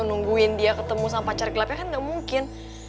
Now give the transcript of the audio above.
nungguin dia ketemu sama pacar gelapnya kan gak mungkin